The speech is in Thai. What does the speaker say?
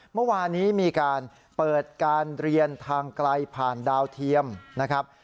เมื่อวานี้มีการเปิดการเรียนทางไกลผ่านดาวเทียมนะครับ